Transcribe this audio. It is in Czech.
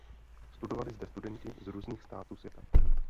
Studovali zde studenti z různých států světa.